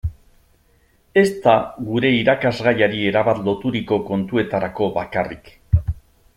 Ez da gure irakasgaiari erabat loturiko kontuetarako bakarrik.